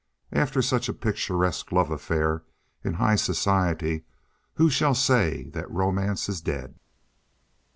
After such a picturesque love affair in high society, who shall say that romance is dead?"